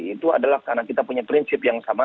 itu adalah karena kita punya prinsip yang sama